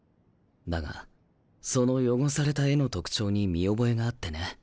だがその汚された絵の特徴に見覚えがあってね。